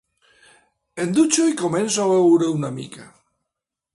Em dutxo i començo a veure-hi una mica.